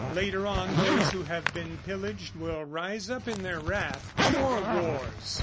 Later on, those who have been pillaged will rise up in their wrath. More wars!